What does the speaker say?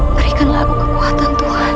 berikanlah aku kekuatan tuhan